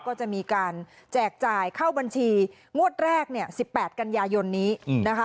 ก็จะมีการแจกจ่ายเข้าบัญชีงวดแรกเนี่ย๑๘กันยายนนี้นะคะ